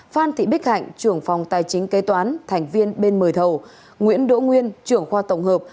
phan thị bích hạnh trưởng phòng tài chính kế toán thành viên bên mời thầu nguyễn đỗ nguyên trưởng khoa tổng hợp